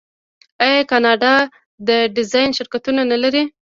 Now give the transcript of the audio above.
آیا کاناډا د ډیزاین شرکتونه نلري؟